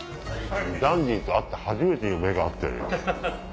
ダンディと会って初めて今目が合ってるよ。